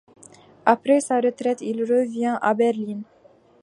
Après sa retraite, il revient à Berlin.